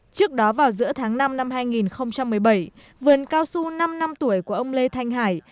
trước đó vào giữa tháng năm năm hai nghìn một mươi bảy vườn cao su năm năm tuổi của ông lê thanh hải